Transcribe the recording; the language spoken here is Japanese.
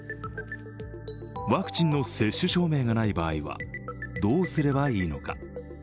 ワクチンの接種証明がない場合はどうすればいいのか。